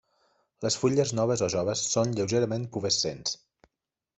Les fulles noves o joves són lleugerament pubescents.